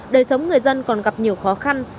đời sống người dân còn gặp nhiều khó khăn